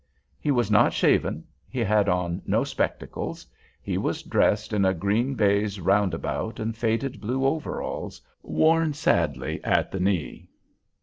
He was not shaven. He had on no spectacles. He was dressed in a green baize roundabout and faded blue overalls, worn sadly at the knee.